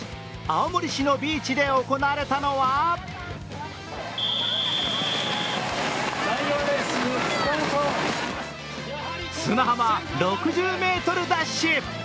青森市のビーチで行われたのは砂浜６０ｍダッシュ。